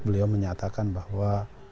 beliau menyatakan bahwa